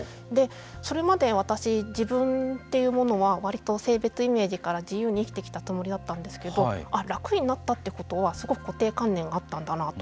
それまで私自分というものは割と性別イメージから自由に生きてきたつもりだったんですけど楽になったということはすごく固定観念があったんだなと。